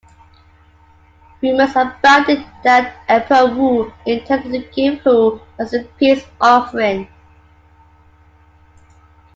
Rumors abounded that Emperor Wu intended to give Hou as a peace offering.